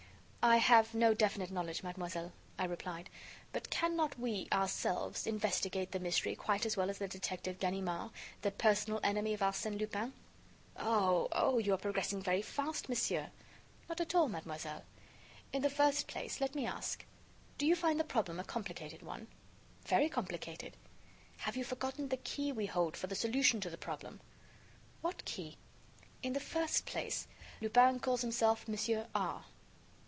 "I have no definite knowledge, mademoiselle," I replied, "but can not we, ourselves, investigate the mystery quite as well as the detective Ganimard, the personal enemy of Arsène Lupin?" "Oh! oh! you are progressing very fast, monsieur." "Not at all, mademoiselle. In the first place, let me ask, do you find the problem a complicated one?" "Very complicated." "Have you forgotten the key we hold for the solution to the problem?" "What key?" "In the first place, Lupin calls himself Monsieur R